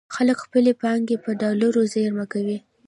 خلک خپلې پانګې په ډالرو زېرمه کوي.